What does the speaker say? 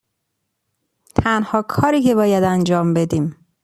تنها کاری که باید انجام بدیم